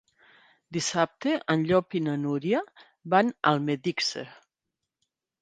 Dissabte en Llop i na Núria van a Almedíxer.